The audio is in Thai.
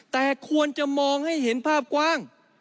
แต่ควรจะมองให้เห็นภาพกว้าง